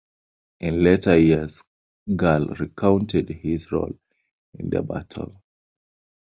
In later years, Gall recounted his role in the battle.